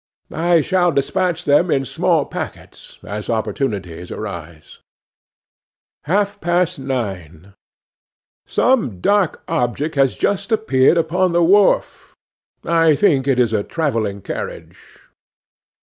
I shall despatch them in small packets as opportunities arise.' 'Half past nine. 'SOME dark object has just appeared upon the wharf. I think it is a travelling carriage.